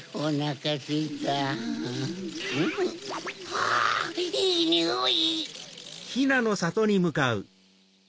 はぁいいにおい！